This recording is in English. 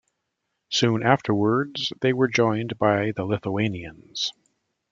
Soon afterwards, they were joined by the Lithuanians.